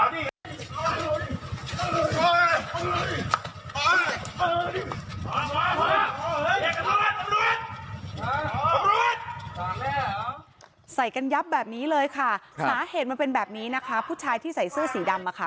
ใส่กันยับแบบนี้เลยค่ะสาเหตุมันเป็นแบบนี้นะคะผู้ชายที่ใส่เสื้อสีดำอะค่ะ